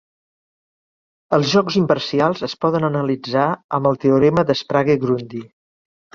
Els jocs imparcials es poden analitzar amb el teorema de Sprague-Grundy.